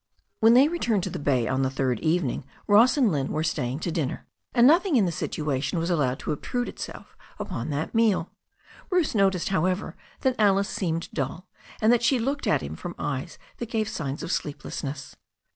When they returned to the bay on the third evening Ross and Lynne were staying to dinner, and nothing in the situ ation was allowed to obtrude itself upon that meal. Bruce noticed, however, that Alice seemed dull, and that she looked at him from eyes that gave signs of sleeplessness.